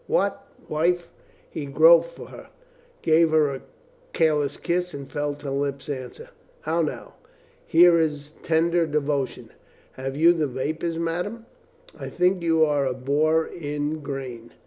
"What, wife!" he groped for her, gave her a careless kiss and felt her lips answer. "How now? Here is tender de votion ! Have you the vapors^ madame?" "I think you are a boor in grain.